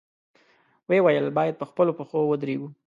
ویل یې، باید په خپلو پښو ودرېږو.